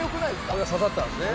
「これが刺さったんですね」